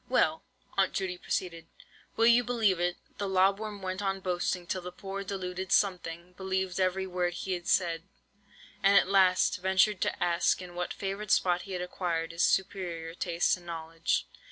"Well," Aunt Judy proceeded, "will you believe it, the lob worm went on boasting till the poor deluded 'something' believed every word he said, and at last ventured to ask in what favoured spot he had acquired his superior tastes and knowledge.